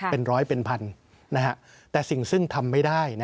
เป็นร้อยเป็นพันธุ์นะฮะแต่สิ่งซึ่งทำไม่ได้น่ะ